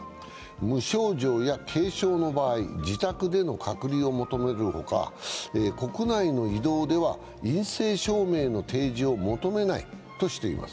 無症状や軽症の場合、自宅での隔離を求めるほか、国内の移動では陰性証明の提示を求めないとしています。